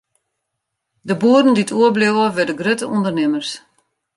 De boeren dy't oerbliuwe, wurde grutte ûndernimmers.